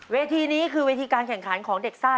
เวทีนี้คือเวทีการแข่งขันของเด็กซ่า